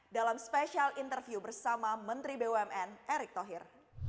dalam spesial interview bersama menteri bumn erik tohir